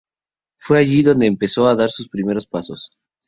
Fue allí donde empezó a dar sus primeros pasos.